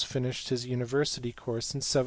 431 finished his university course in 1798.